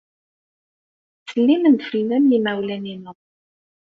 Ttselimen-d fell-am yimawlan-inu.